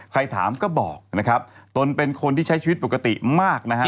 ถามก็บอกนะครับตนเป็นคนที่ใช้ชีวิตปกติมากนะฮะ